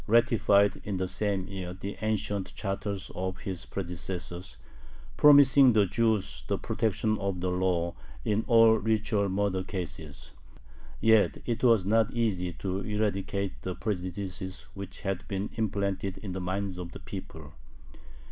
ratified in the same year the ancient charters of his predecessors, promising the Jews the protection of the law in all ritual murder cases. Yet it was not easy to eradicate the prejudices which had been implanted in the minds of the people.